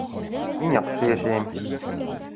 Мин яҡшы йәшәйем.